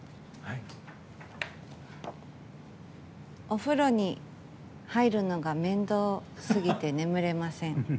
お風呂に入るのが面倒すぎて眠れません。